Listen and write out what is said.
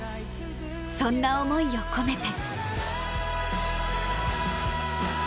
そんな思いを込めて。